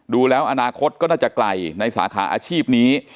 ดูแล้วอนาคตก็น่าจะไกลในสาขาอาชีพนี้